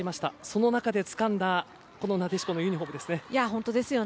その中でつかんだこのなでしこのユニホームですね。